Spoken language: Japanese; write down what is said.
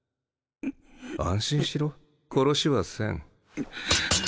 安心しろ殺しはせん。